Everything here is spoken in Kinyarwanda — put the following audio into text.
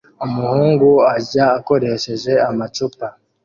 Umuhungu arya akoresheje amacupa